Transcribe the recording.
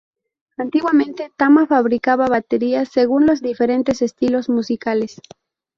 Antiguamente Tama fabricaba baterías según los diferentes estilos musicales.